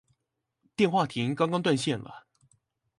電話亭剛剛斷線了